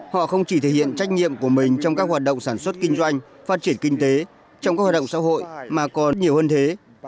họ không chỉ thể hiện trách nhiệm của mình trong các hoạt động sản xuất kinh doanh phát triển kinh tế trong các hoạt động xã hội mà còn nhiều hơn thế